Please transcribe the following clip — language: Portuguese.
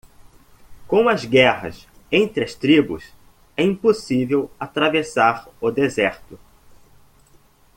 Com as guerras entre as tribos? é impossível atravessar o deserto.